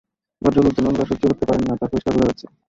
ভদ্রলোক যে নোংরা সহ্য করতে পারেন না, তা পরিষ্কার বোঝা যাচ্ছে।